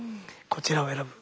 こちらを選ぶ。